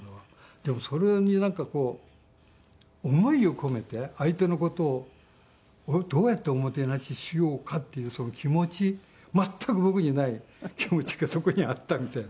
でもそれになんかこう思いを込めて相手の事をどうやっておもてなししようかっていうその気持ち全く僕にない気持ちがそこにあったみたいな。